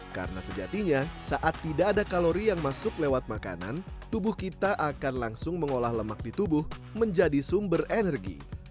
karena sejatinya saat tidak ada kalori yang masuk lewat makanan tubuh kita akan langsung mengolah lemak di tubuh menjadi sumber energi